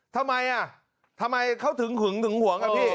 ทำไมอ่ะทำไมเขาถึงหึงถึงห่วงอ่ะพี่